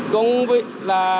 không biết là